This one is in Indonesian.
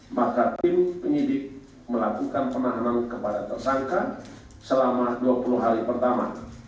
maka tim penyidik melakukan penahanan kepada tersangka selama dua puluh hari pertama